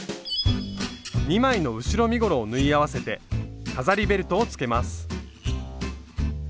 ２枚の後ろ身ごろを縫い合わせて飾りベルトをつけます。